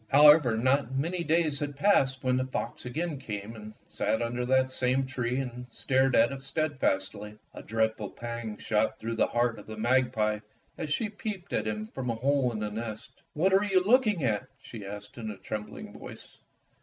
However, not many days had passed when the fox again came and sat under that same tree and stared at it steadfastly. A dreadful pang shot through the heart of the magpie as she peeped at him from a hole in the nest. " What are you looking at? " she asked in a trembling voice.